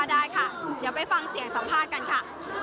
เสียงสัมภาษณ์กันค่ะ